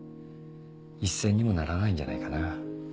一銭にもならないんじゃないかな。